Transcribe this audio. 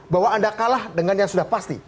bahwa anda kalah dengan yang sudah pasti